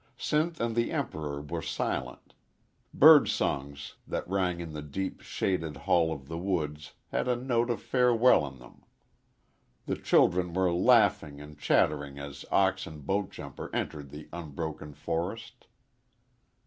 Sinth and the Emperor were silent. Bird songs that rang in the deep, shaded hall of the woods had a note of farewell in them. The children were laughing and chattering as ox and boat jumper entered the unbroken forest.